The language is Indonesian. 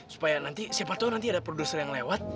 supaya nanti siapa tahu nanti ada produser yang lewat